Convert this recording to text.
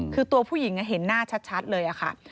คือตัวผู้หญิงเห็นหน้าชัดเลยค่ะ